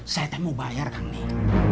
saya mau bayar kan nih